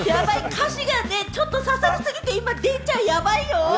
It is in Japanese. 歌詞がね、ちょっと刺さりすぎて、今デイちゃんヤバいよ。